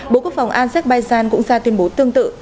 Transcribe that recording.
bộ quốc phòng azerbaijan cũng ra tuyên bố tương tự